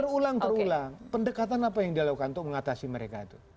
terulang terulang pendekatan apa yang dilakukan untuk mengatasi mereka itu